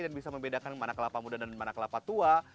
dan bisa membedakan mana kelapa muda dan mana kelapa tua